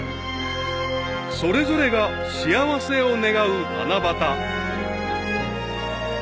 ［それぞれが幸せを願う七夕］